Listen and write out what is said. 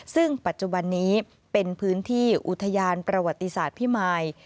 ซึ่งปัจจุบันนี้เป็นพื้นที่อุทยานประวัติศาสตร์พิมาย